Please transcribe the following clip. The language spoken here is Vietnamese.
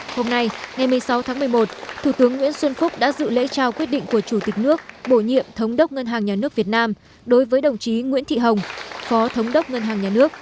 hôm nay ngày một mươi sáu tháng một mươi một thủ tướng nguyễn xuân phúc đã dự lễ trao quyết định của chủ tịch nước bổ nhiệm thống đốc ngân hàng nhà nước việt nam đối với đồng chí nguyễn thị hồng phó thống đốc ngân hàng nhà nước